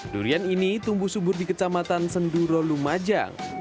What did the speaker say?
durian ini tumbuh subur di kecamatan senduro lumajang